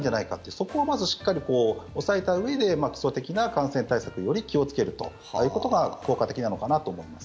そこをまずしっかり抑えたうえで基礎的な感染対策をより気をつけるということが効果的なのかなと思います。